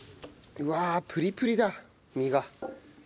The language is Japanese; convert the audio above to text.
うわあプリプリだ身が。